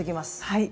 はい。